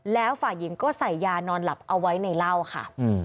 แล้วฝ่ายหญิงก็ใส่ยานอนหลับเอาไว้ในเหล้าค่ะ